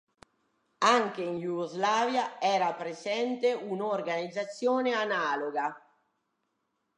Anche in Jugoslavia era presente un'organizzazione analoga.